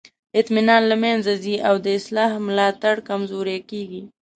اطمینان له منځه ځي او د اصلاح ملاتړ کمزوری کیږي.